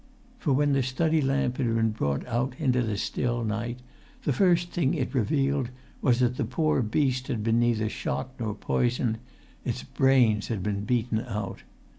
For when the study lamp had been brought out into the still night, the first thing it revealed was that the poor beast had been neither shot nor poisoned; its[Pg 208] brains had been beaten out.